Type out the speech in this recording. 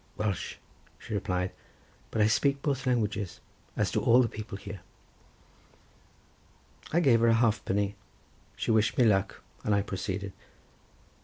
"Welsh," she replied; "but I speak both languages, as do all the people here." I gave her a halfpenny; she wished me luck, and I proceeded.